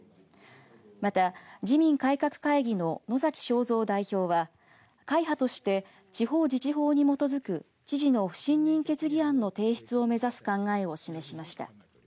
また自民改革会議の野崎正蔵代表は会派として、地方自治法に基づく知事の不信任決議案の提出を目指す考えを示しました。